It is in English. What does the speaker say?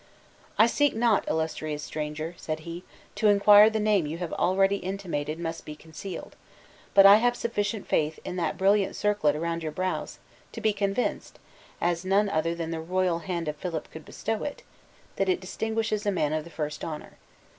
"I seek not, illustrious stranger," said he, "to inquire the name you have already intimated must be concealed; but I have sufficient faith in that brilliant circlet around your brows, to be convinced (as none other than the royal hand of Philip could bestow it) that it distinguishes a man of the first honor.